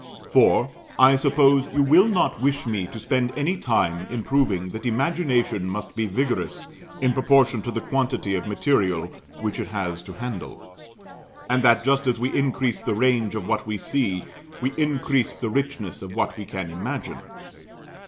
For, I suppose, you will not wish me to spend any time in proving, that imagination must be vigorous in proportion to the quantity of material which it has to handle; and that, just as we increase the range of what we see, we increase the richness of what we can imagine.